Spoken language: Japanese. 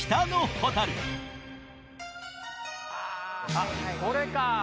あっこれか